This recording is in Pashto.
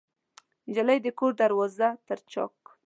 نجلۍ د کور د دروازې تر چاک